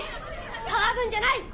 騒ぐんじゃない！